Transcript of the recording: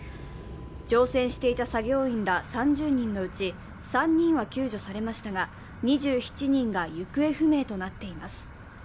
乗船していた作業員ら３０人のうち３人は救助されましたが、２７人が行方不明となっています。